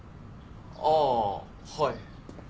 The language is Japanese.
ああはい。